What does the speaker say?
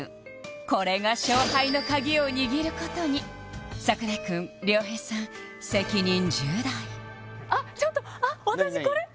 これが勝敗のカギを握ることに櫻井くん亮平さん責任重大ちょっと私これ何？